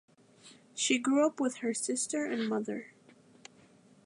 She grew up with her sister and mother.